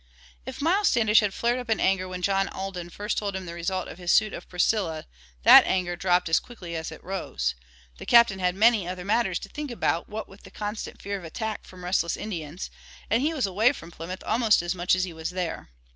If Miles Standish had flared up in anger when John Alden first told him the result of his suit of Priscilla that anger dropped as quickly as it rose. The Captain had many other matters to think about, what with the constant fear of attack from restless Indians, and he was away from Plymouth almost as much as he was there.